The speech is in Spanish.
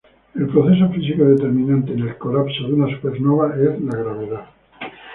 El proceso físico determinante en el colapso de una supernova es la gravedad.